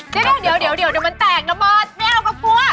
เดี๋ยวเดี๋ยวมันแตกระบอดไม่เอาก็กลัว